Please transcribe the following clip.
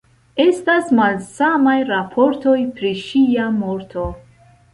Estas malsamaj raportoj pri ŝia morto.